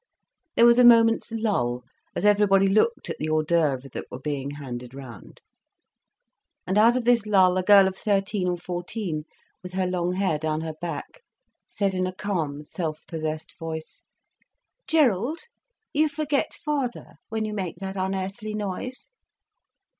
There was a moment's lull, as everybody looked at the hors d'oeuvres that were being handed round. And out of this lull, a girl of thirteen or fourteen, with her long hair down her back, said in a calm, self possessed voice: "Gerald, you forget father, when you make that unearthly noise."